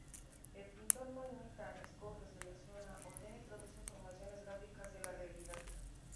El pintor no imita, escoge, selecciona, ordena y traduce informaciones gráficas de la realidad.